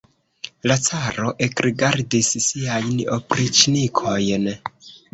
La caro ekrigardis siajn opriĉnikojn.